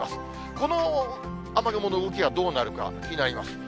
この雨雲の動きがどうなるか、気になります。